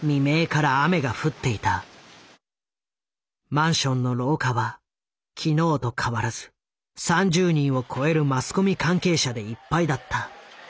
マンションの廊下は昨日と変わらず３０人を超えるマスコミ関係者でいっぱいだった。